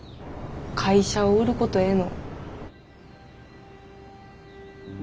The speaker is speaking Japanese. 会社を売ることへの。